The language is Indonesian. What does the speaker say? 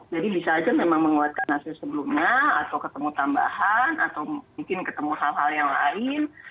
jadi bisa aja memang menguatkan hasil sebelumnya atau ketemu tambahan atau mungkin ketemu hal hal yang lain